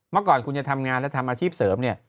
เมื่อก่อนคุณจะทำงานและทำอาชีพเสริมเนี่ย